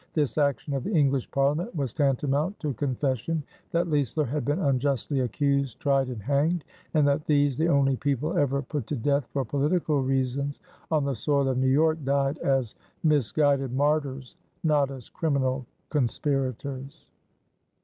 This action of the English Parliament was tantamount to a confession that Leisler had been unjustly accused, tried, and hanged, and that these, the only people ever put to death for political reasons on the soil of New York, died as misguided martyrs, not as criminal conspirators.